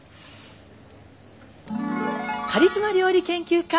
カリスマ料理研究家。